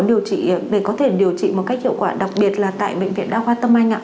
điều trị để có thể điều trị một cách hiệu quả đặc biệt là tại bệnh viện đa khoa tâm anh ạ